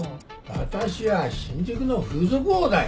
私は新宿の風俗王だよ。